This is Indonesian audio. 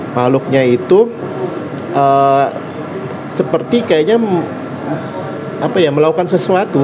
makhluknya itu seperti kayaknya melakukan sesuatu